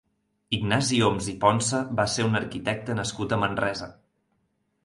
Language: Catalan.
Ignasi Oms i Ponsa va ser un arquitecte nascut a Manresa.